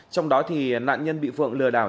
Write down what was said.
trong đó nạn nhân bị phượng lừa đảo